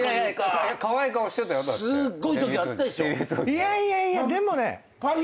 いやいやいやでもね。